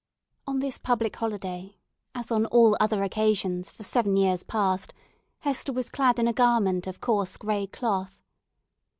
On this public holiday, as on all other occasions for seven years past, Hester was clad in a garment of coarse gray cloth.